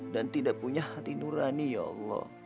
dan tidak punya hati nurani ya allah